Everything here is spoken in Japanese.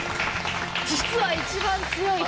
実は一番強い機体。